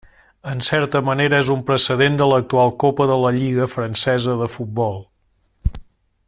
En certa manera és un precedent de l'actual Copa de la Lliga francesa de futbol.